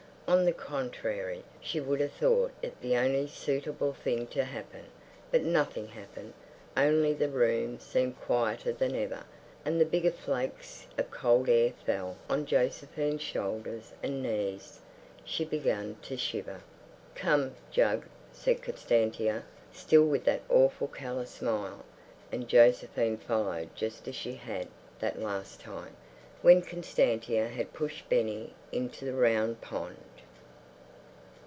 On the contrary, she would have thought it the only suitable thing to happen. But nothing happened. Only the room seemed quieter than ever, and the bigger flakes of cold air fell on Josephine's shoulders and knees. She began to shiver. "Come, Jug," said Constantia, still with that awful callous smile, and Josephine followed just as she had that last time, when Constantia had pushed Benny into the round pond.